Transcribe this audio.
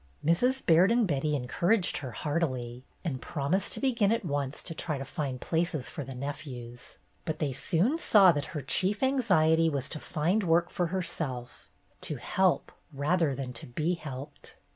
Mrs. Baird and Betty encouraged her heartily, and promised to begin at once to try to find places for the nephews, but they soon saw that her chief anxiety was to find work for herself, to help rather than to be helped.